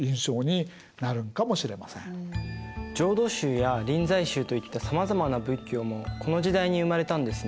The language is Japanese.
浄土宗や臨済宗といったさまざまな仏教もこの時代に生まれたんですね。